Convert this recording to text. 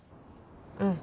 うん。